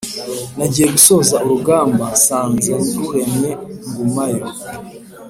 Nagiye gusoza urugamba nsanze ruremye ngumayo,